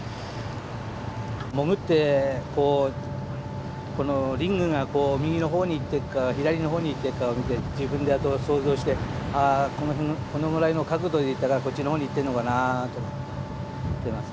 潜ってこうこのリングが右の方に行ってるか左の方に行ってるか見て自分であとは想像してあこの辺このぐらいの角度で行ったからこっちの方に行ってんのかなとか思ってます。